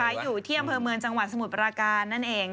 อยู่ที่อำเภอเมืองจังหวัดสมุทรปราการนั่นเอง